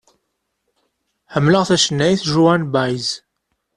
Ḥemleɣ tacennayt Joan Baez.